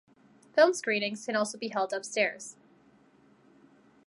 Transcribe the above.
Film screenings can also be held upstairs.